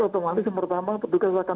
otomatis pertama petugas akan